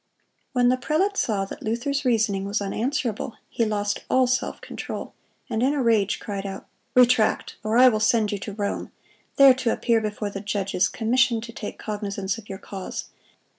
When the prelate saw that Luther's reasoning was unanswerable, he lost all self control, and in a rage cried out: "Retract! or I will send you to Rome, there to appear before the judges commissioned to take cognizance of your cause.